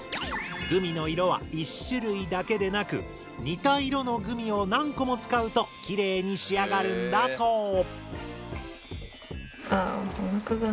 グミの色は一種類だけでなく似た色のグミを何個も使うときれいに仕上がるんだそう。